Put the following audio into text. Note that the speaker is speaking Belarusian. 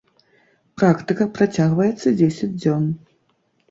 Практыка працягнецца дзесяць дзён.